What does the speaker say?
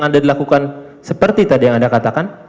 anda dilakukan seperti tadi yang anda katakan